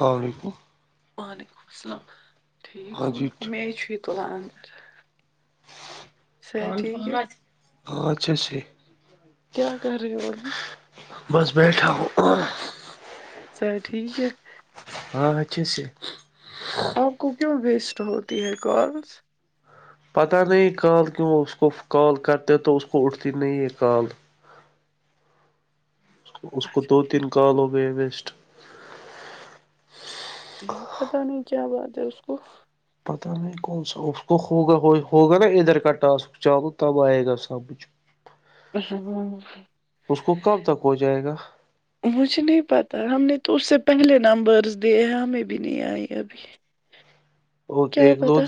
ہاں جی [inaudible] وعلیکم السلام ٹھیک ہاں ہو جی میں ایکچولی قران [unintelligible] ہاں [inaudible] [inaudible] ہاں اچھا سے کیا کر رہے ہو ابھی بس بیٹھا ہوں صحت ٹھیک ہے ہاں اچھے سے آپ کو کیوں ویسٹ ہوتی ہے کالس پتہ نہیں کال کیوں اس کو کال کرتے تو اس کو اٹھتی نہیں ہے کال اس کو اچھا دو تین ٹھیک کال ہو گیے ویسٹ نہیں پتا نہیں کیا بات ہے اس کو پتہ نہیں کون سا اس کو ہوگا ہوگا نا ادھر کا ٹاسک چالو تب آئے گا سم اس کو کب تک ہو جائے گا مجھے نہیں پتہ ہم نے تو اس سے پہلے نمبرز دیے ہمیں بھی نہیں آئے ابھی ہ [inaudible] [inaudible] کیا پتہ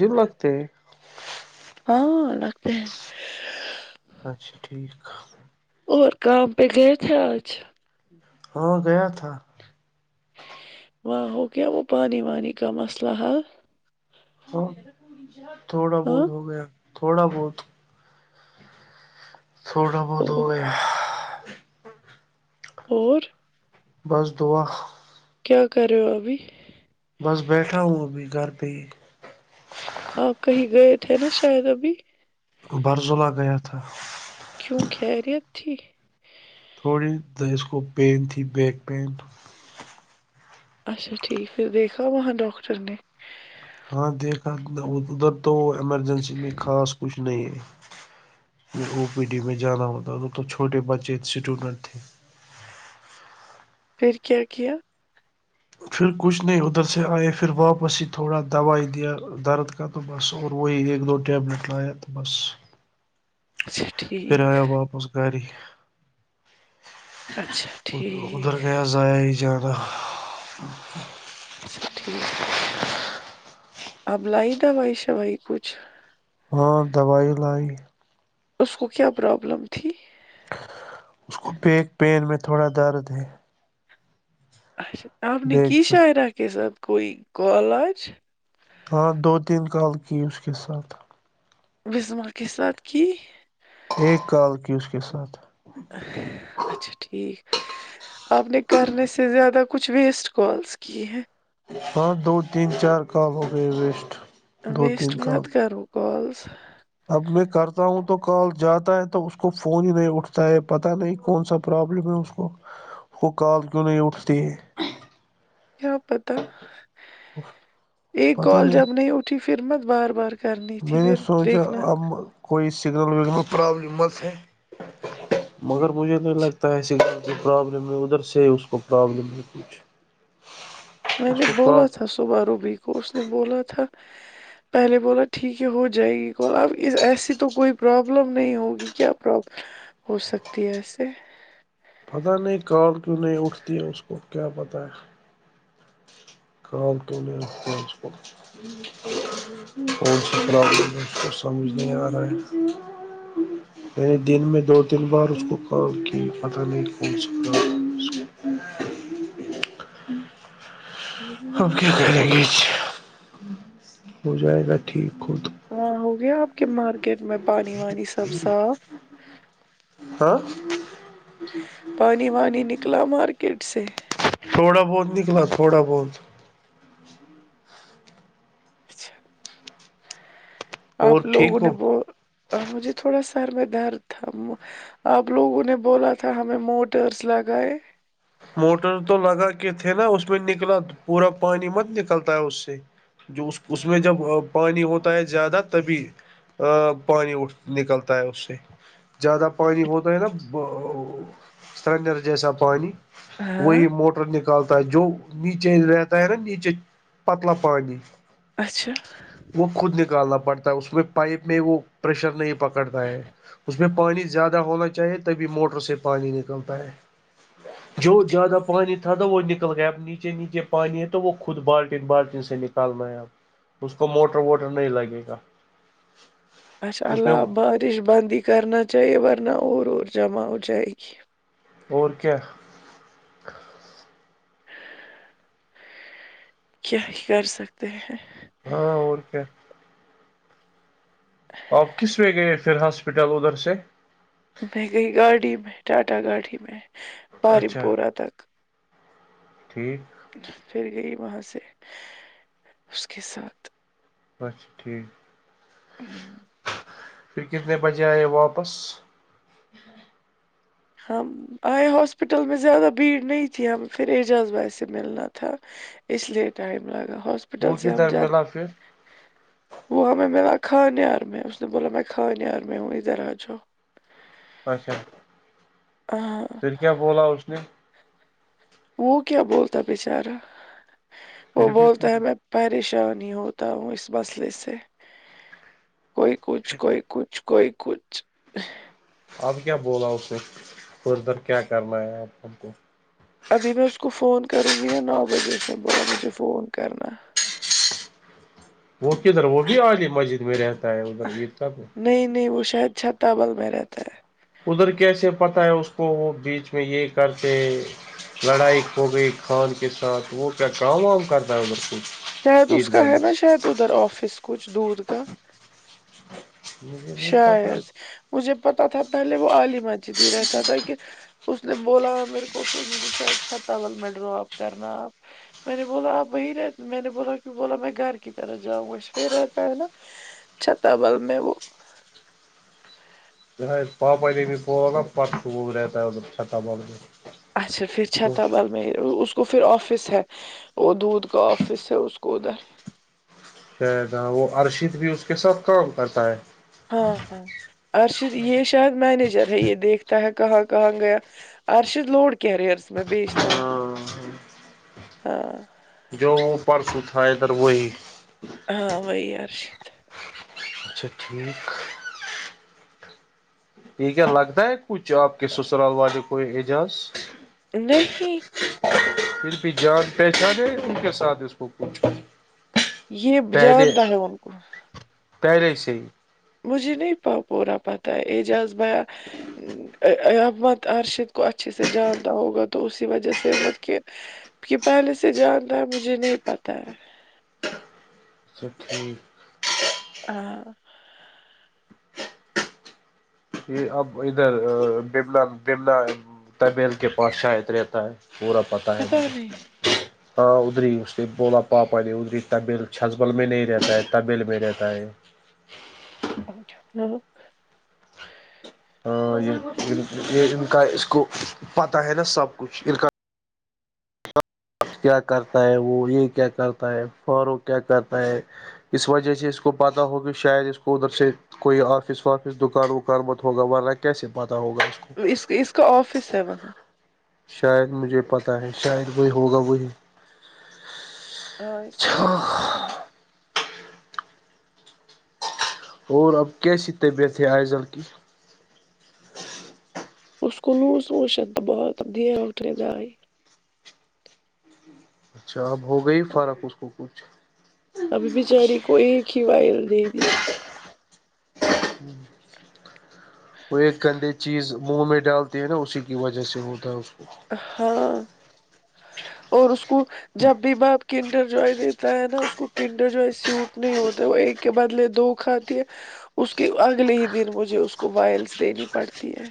ہاں لگتے ہیں اچھا ٹھیک اور کام پہ گیے تھے آج ہاں گیا تھا واں ہوگیا وہ پانی وانی کا مسلہ حل ہ تھوڑا ہاں بہت ہو گیا تھوڑا بہت تھوڑا بہت ہو گیا اور بس دعا کیا کررہے ہو ابھی بس بیٹھا ہوں ابھی گھر پہ ہی آپ کہیں گئے تھے نا شاید ابھی برزولا گیا تھا کیوں خیریت تھی تھوڑی د اس کو پین تھی بیک پین اچھا ٹھیک پھر دیکھا وہاں ڈاکٹر نے ہاں دیکھا ا ادھر تو ایمرجنسی میں خاص کچھ نہیں ہے او پی ڈی میں جانا ہوتا وہ تو چھوٹے بچے اسٹوڈنٹ تھے پھر کیا کیا پھر کچھ نہیں ادھر سے آئے پھر واپسی ہی تھوڑا دوائی دیا درد تو بس اور وہی ایک دو ٹیبلیٹ لایا تو بس اچھا پھر ٹھیک آیا واپس گھر ہی اچھا ادھر ٹھیک گیا ضایا ہی جان اچھا ٹھیک اب لائی د وائی شوائی کچھ ہاں دوائی لائی اس کو کیا پرابلم تھی اس کو بیک پین میں تھوڑا درد ہے آپ نے بیک کی میں شاعرہ کے ساتھ کوئی کال آج ہاں دو تین کال کی اس کے ساتھ بسما کے ساتھ کی ایک کال کی اس کے ساتھ اچھا ٹھیک آپ نے کرنے سے زیادہ کچھ ویسٹ کالس کی ہیں ہاں دو تین چار کال ہو گئے ویسٹ دو ویسٹ تین کال مت کرو کالز اب میں کرتا ہوں تو کال جاتا ہے تو اس کو فون ہی نہیں اٹھتا ہے پتا نہیں کون سا پرابلم ہے اس کو وہ کال کیوں نہیں اٹھتی ہے کیا پتا ایک کال جب نہیں اٹھی پھر مت بار بار کرنی تھی میں نے پھر سوچا دیکھنا ہم کوئی سگنل وگنل پربلم ہے مگر مجھے تو لگتا ہے ایسی پرابلم ہے ادھر سے اس کو پرابلم ہے کچھ [inaudible] میں نے کو کا بولا تھا صبح روبی کو اس نے بولا تھا پہلے بولا ٹھیک ہے ہو جائے گی کال اب ایسی تو کوئی پرابلم نہیں ہوگی کیا پرابلم ہو سکتی ہے ایسے پتہ نہیں کال کیوں نہیں اٹھتی ہے اس کو کیا پت ہے کا تونےچ کو [unintelligible] کون سی پرابلم اس کو سمجھ نہیں آ رہا ہے میں نے دن میں دو تین بار اس کو کام کی پتہ نہیں کون سکتا اب کیا کریں گے ہو جائے گا ٹھیک ہو وہاں ہو گیا آپ کے مارکیٹ میں پانی وانی سب صاف ہاں جچچ [unintelligible] پانی وانی نکلا مارکیٹ سے تھوڑا بہت نکلا تھوڑا بہت اچھا آپ اور لوگوں ٹھیک نے ہو ب مجھے تھوڑا سر میں درد تھا آپ لوگوں نے بولا تھا ہمیں موٹرس لگائے موٹر تو لگا کے تھے نا اس میں نکلا پورا پانی مت نکلتا ہے اس سے جو اس میں جب پانی ہوتا ہے زیادہ تبھی پانی اٹھ نکلتا ہے اس سے زیادہ پانی ہوتا ہے نا سنگد جیسا پانی ہاں وہی موٹر نکل نکالتا ہے جو نیچے رہتا ہے نا نیچے پتلا پانی اچھا وہ خود نکالنا پڑتا ہے اس میں پائپ میں وہ پریشر نہیں پکڑتا ہے اس میں پانی زیادہ ہونا چاہیے تبھی موٹر سے پانی نکلتا ہے جو ٹھیک زیادہ پانی تھا توا وہ نک گیا آب نیچے نیچے پانی ہے تو وہ خود بالٹین بالٹین سے نکال ہے اب اس کو موٹر ووٹر نہیں لگے گا اس میں اللہ اور بارش بند ہی کرنا چاہیے ورنہ اور اور جمع ہو جائے گی اور کیا [inaudible] کیا ہی کر سکتے ہیں ہاں اور کیا آپ کس میں گئے پھر ہاسپٹل ادھر سے میں گئی گاڑی میں ٹاٹا گاڑی میں پارم اچھا پورہ تک ٹھیک پھر گئی وہاں سے اس کے ساتھ بس ٹھیک پھر کتنے بجے آ یے واپس آئے ہاسپٹل میں زیادہ بھیڑ نہیں تھی ہم پھر اعجاز بھائیا سے ملنا تھا اس لیے ٹائم لگا وہ ہاسپٹل سے ہم کدھر ج ملا پھر وہ ہمیں ملا خانیار میں اس نے بولا میں خانیار میں ہوں ادھر آ جاؤ اچھا ہاں پھر کیا بولا اس نے وہ کیا بولتا ہے بچارا وہ پھر بھی بولتا کچھ ہے میں پریشانی ہی ہوتا ہوں اس مسئلے سے کوئی کچھ کوئی کچھ کوئی کچھ اب کیا بولا اس نے فردر کیا کرنا ہے ان کو ابھی میں اس کو فون کروں گی نا نو بجے اس نے بولا مجھے فون کرنا وہ کیھدر وہ بھی عالی مسجد میں رہتا ہے ادھر عید گاہ میں نہیں نہیں وہ شاید چھتا بل میں رہتا ہے ادھر کیسے پتا ہے اس کو وہ بیچ میں یہ کرتے لڑائی کھوگی خان کے ساتھ وہ کیا کام وام کرتا ہے ارھر شاید اس کا ہے نا شاید ادھر آفس کچھ دودھ کا مجھے نہیں پتا شاید مجھے پتا تھا پہلے وہ عالی مسجد ہی رہتا تھا کہ اس نے بولا میرے کو پھر مجھے شاید چھتابل میں ڈراپ کرنا میں نے بولا آپ وہی رہ میں نے بولا کی بولا میں گھر کی طرح جاؤں گا اس پر رہتا ہے نا چھتا بل میں وہ پاپا نے بولا نا پرسو وہ رہتا ہے چھتابل میں اچھا پھر چھتہ بل اس کو پھر آفس ہے وہ دودھ کا آفس ہے اس کو ادھر شاید ہاں وہ ارشید بھی اس کے ساتھ کام کرتا ہے ہاں ہاں ارشد یہ شاید مینیجر ہے یہ دیکھتا ہے کہاں کہاں گیا ارشد لوڈ کیریئرس میں بیجتا ہے ہاں جو وہ پرسو تھا ادھر وہ ہی ہاں وہی ارشد اچھا ٹھیک یہ کیا لگتا ہے کچھ آپ کے سسرال والے کو اعجاز نہیں پھر بھی جان پہچان ہے ان کے ساتھ اس کو کچھ یہ پہلے جانتا ہے ان کو پہلے سے ہی مجھے نہیں پورا پتہ ہے اعجاز بھیا اب مت ارشد کو اچھے سے جانتا ہوگا تو اسی وجہ سے مت کہ یہ پہلے سے جانتا ہے مجھے نہیں پتا ہے اچھا ٹھیک ہاں یہ اب ادھر بمنا طبیل کے پاس رہتا ہے پورا پتہ ہے پتا نہیں مجھے ہاں ادھر اس سے بولا پاپا نے ادھر طبیل چھتہ بل میں نہیں رہتا ہے طبیل میں رہتا ہے اچھا ہاں ہاں یہ ان کا یہ اس کو پتہ ہے نا سب کچھ ان کا کیا کرتا ہے وہ یہ کیا کرتا ہے فاروق کیا کرتا ہے اس وجہ سے اس کو پتہ ہوگی کہ شاید اس کو ادھر سے کوئی آفس وافس دکان وکان مت ہوگا ورنہ کیسے پتاہ ہوگا اس کو اس اس کا آفس ہے وہاں شاید مجھے پتا ہے شاید وہی ہوگا وہی ہاں اس کو اچھا آفس ہے وہاں اور اب کیسی طبیعت ہے آئزل کی اس کو لوز موشن د بہت دی ہے اس کو داوئی اچھا اب ہو گئی فرق اس کو کچھ ابھی بچاریے کو ایک ہی وائل دے دی ہ [inaudible] وہ ایک گندے چیز منہ میں ڈالتی ہے نا اسی کی وجہ سے ہوتا ہے اس کو ہاں اور اس کو جب بھی بب کن کنڑر جوئے دیتا ہے نا اس کو کنڈر جوئے سیوٹ نہیں ہوتا ہے وہ ایک کے بدلے دو کھاتی ہے اس کے اگلے ہی دن مجھے اس کو وائلس دینی پڑتی ہے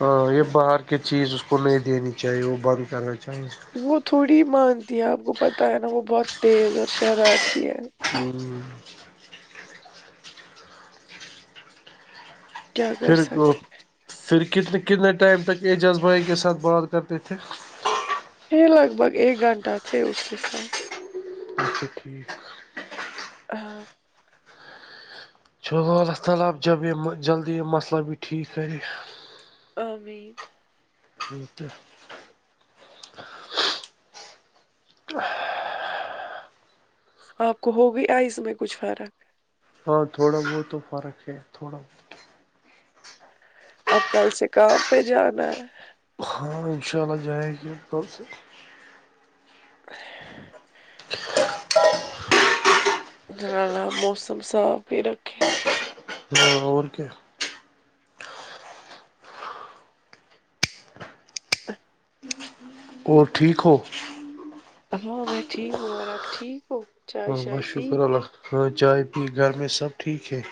ہاں یہ باہر کی چیز اس کو نہیں دینی چاہیے وہ بند کرنا چاہیے اس کو وہ تھوڑی مانتی ہے آپ کو پتہ ہے نا وہ بہت تیز اور شرارتی ہے ہوں [unintelligible] کیا کر پھر سکتے پھر کتنے کتنے ٹائم تک اعجاز بھائی کے ساتھ بات کرتے تھے پھر لگ بگ ایک گھنٹہ تھے اس کے ساتھ اچھا ٹھیک ہاں [unintelligible] چلو اللہ تعالی اب جب یہ جلدی یہ مسلہ بھی ٹھیک کرے آ ویٹ ہو تو [unintelligible] آپ کو ہو گئی آیز میں کچھ فرق ہاں تھوڑا بہت تو فرق ہے تھوڑا بہت اب کل سے کام پہ جانا ہے ہاں ان شاء اللہ جائے گے کل سے جلالا موسم صاف ہی رکھے ہاں اور کیا اور ٹھیک ہو ہاں میں ٹھیک ہو اور آپ ٹھیک ہو چائے ہاں شائے بس پی شکر اللہ ہاں چائے پی گھر میں سب ٹھیک ہے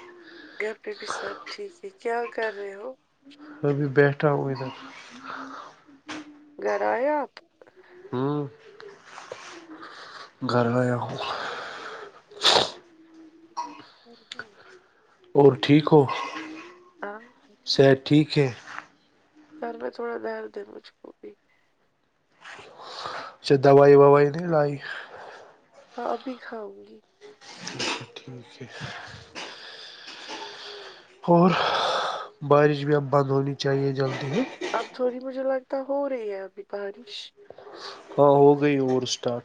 گھر پہ بھی سب ٹھیک ہے کیا کر رہے ہو ابھی بیٹھا ہو ادھر ہ [inaudible] گھر ائے اپ ہاں [unintelligible] گھر ایا ہوں [unintelligible] کرد ہے اور ٹھیک ہو [unintelligible] ہاں [unintelligible] صحت ٹھیک ہے [unintelligible] سر میں تھوڑا درد ہیں مجھ کو اچا دوائی ووائی نہیں لائی اپ بھی کھاؤں گی ٹھیک ہے اور بارش بھی اب بند ہونی چاہیے جلدی ہی اب تھوڑی مجھے لگتا ہو رہی ہے ابھی بارش [unintelligible] ہاں وہ گئی ا اسٹاٹ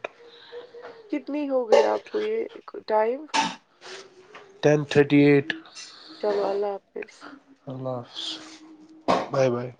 کتنی ہوگئی آپ کو یہ ٹائم [unintelligible] ٹین تھرٹی ایٹ چلو اللہ حافظ اللہ حافظ بائے بائے